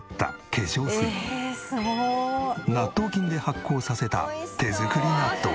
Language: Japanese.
納豆菌で発酵させた手作り納豆。